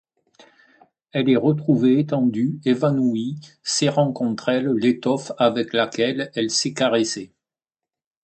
Elle est retrouvée étendue, évanouie, serrant contre elle l'étoffe avec laquelle elle s'est caressée.